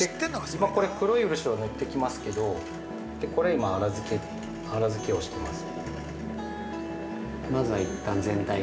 今これ、黒い漆を塗っていきますけどこれ、粗づけをしてます。